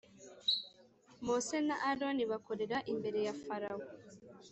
Mose na Aroni bakorera imbere ya Farawo